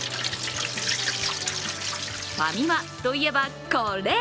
ファミマといえばこれ。